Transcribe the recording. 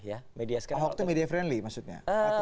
apa itu media friendly maksudnya